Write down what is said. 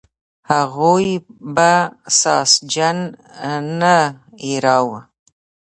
هغوی به ساسچن نه یراو.